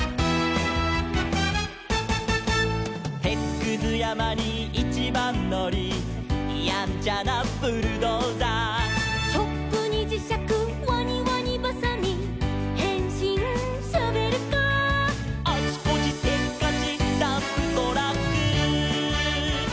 「てつくずやまにいちばんのり」「やんちゃなブルドーザー」「チョップにじしゃくワニワニばさみ」「へんしんショベルカー」「あちこちせっかちダンプトラック」